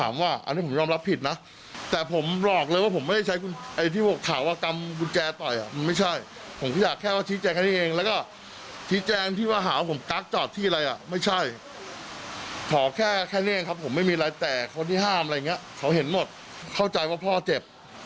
ไม่มีอะไรแตกคนที่ห้ามอะไรอย่างเงี้ยเขาเห็นหมดเข้าใจว่าพ่อเจ็บ